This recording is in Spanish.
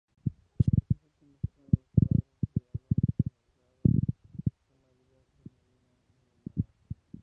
Estos últimos fueron los padres de Alonso Holgado-Moctezuma Díaz de Medina y Ahumada.